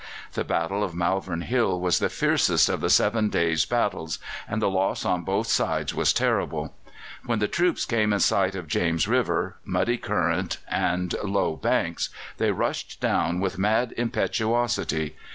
The battle of Malvern Hill was the fiercest of the seven days' battles, and the loss on both sides was terrible. When the troops came in sight of James River, muddy current and low banks, they rushed down with mad impetuosity.